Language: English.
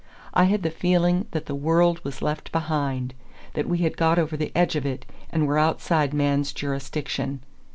I had the feeling that the world was left behind, that we had got over the edge of it, and were outside man's jurisdiction.